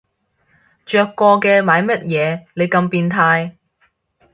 着過嘅買乜嘢你咁變態